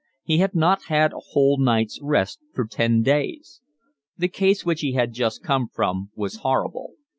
He had not had a whole night's rest for ten days. The case which he had just come from was horrible.